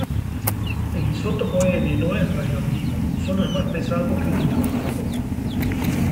El isótopo N no es radioactivo, solo es más pesado que el nitrógeno común.